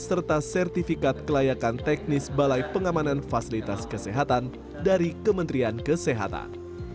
serta sertifikat kelayakan teknis balai pengamanan fasilitas kesehatan dari kementerian kesehatan